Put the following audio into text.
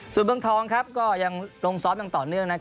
ส่วนเบื้องทองก็ยังลงซอฟต์ต่อเนื่อง